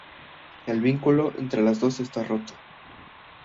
El vínculo entre los dos está roto.